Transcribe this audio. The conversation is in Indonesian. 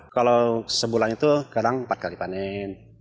kalau sebulan itu kadang empat kali panen